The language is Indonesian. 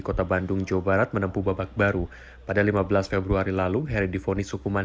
kota bandung jawa barat menempuh babak baru pada lima belas februari lalu heri difonis hukuman